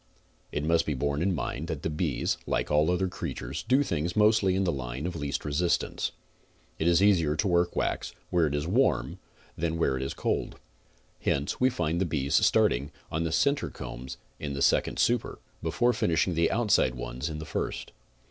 It must be borne in mind that the bees, like all other crea tures, do things mostly in the line of least resistance. It is easier to work wax where it is warm than where it is cold. Hence we find the bees starting on the center combs in the second super, before finishing the outside ones in the first.